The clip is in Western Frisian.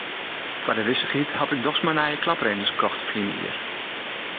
Foar de wissichheid haw ik dochs mar nije klapredens kocht ferline jier.